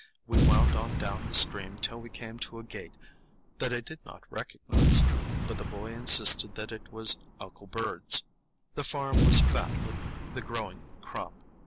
We wound on down the stream till we came to a gate that I did not recognize, but the boy insisted that it was "Uncle Bird's." The farm was fat with the growing crop.